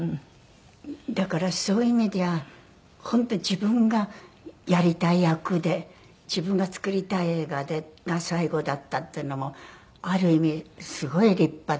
だからそういう意味では本当に自分がやりたい役で自分が作りたい映画が最後だったっていうのもある意味すごい立派だなと。